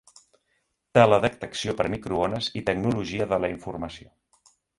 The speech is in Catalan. Teledetecció per microones i tecnologia de la informació.